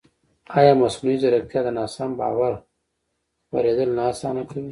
ایا مصنوعي ځیرکتیا د ناسم باور خپرېدل نه اسانه کوي؟